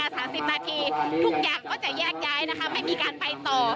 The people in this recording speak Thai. ทุกอย่างก็จะแยกย้ายนะคะไม่มีการไปต่อ